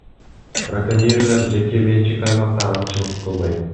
Браконьерлер жеке менчик аймакта аңчылык кылбайт.